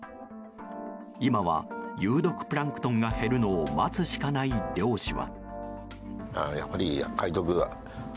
今は有毒プランクトンが減るのを待つしかない漁師は。